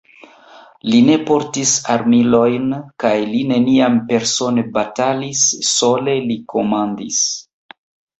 Li ne portis armilojn kaj li neniam persone batalis, sole li komandis.